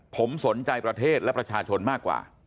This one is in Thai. ผมสนใจประเทศและประชาชนมากกว่า